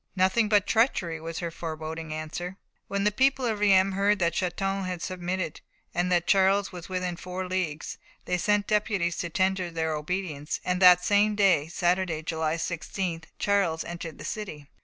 "Nothing but treachery," was her foreboding answer. When the people of Reims heard that Châlons had submitted, and that Charles was within four leagues, they sent deputies to tender their obedience, and that same day, Saturday, July 16th, Charles entered the city.